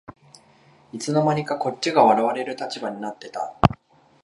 いつの間にかこっちが笑われる立場になってた